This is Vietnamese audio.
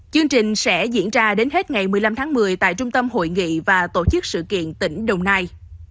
chương trình sẽ diễn ra đến hết ngày một mươi năm tháng một mươi tại trung tâm hội nghị và tổ chức sự kiện tỉnh đồng nai